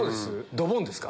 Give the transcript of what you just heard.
ドボンですか？